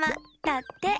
だって！